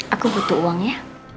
aku butuh uang ya